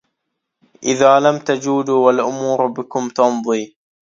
إذا لم تجودوا والأمور بكم تمضي